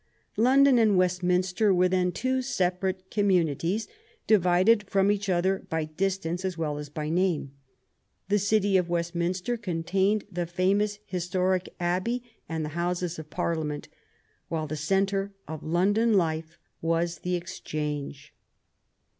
London and Westminster were then two separate communities, divided from each other by distance as well as by name. The city of Westminster contained the famous historic Abbev and the Houses of Parlia menty while the centre of London life was the Ex change.